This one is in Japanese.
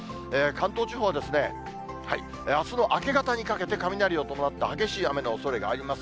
関東地方はあすの明け方にかけて、雷を伴った激しい雨のおそれがあります。